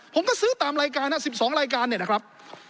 ผมก็ซื้อตามรายการ๑๒รายการนะครับ